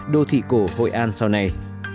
đô thị cổ hội an sau này